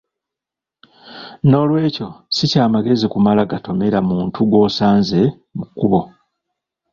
Noolwekyo si kya magezi kumala gatomera muntu gw’osanze mu kkubo.